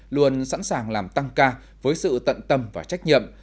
luôn sẵn sàng làm tăng ca với sự tận tâm và trách nhiệm